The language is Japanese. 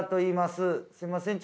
すいません。